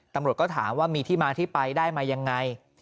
ตำรวจก็ถามว่ามีที่มาที่ไปได้มายังไง